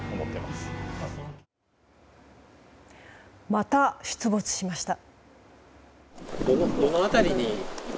また出没しました。